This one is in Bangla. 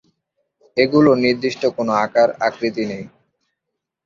এগুলোর নির্দিষ্ট কোনো আকার, আাকৃতি নেই।